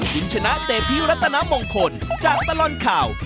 คุณชนะเตพิรัตนมงคลจากตลอดข่าว